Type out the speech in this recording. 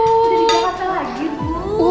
udah di dekat lagi bu